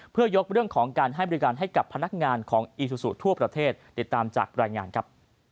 เพื่อยกเรื่องของการให้บริการให้กับพนักงานของอีซูซูทั่วประเทศติดตามจากรายงานครับ